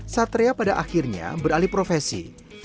satria pada akhirnya beralih profesi